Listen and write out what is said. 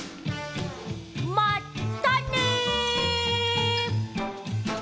まったね！